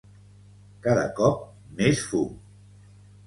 Cada cop més fum.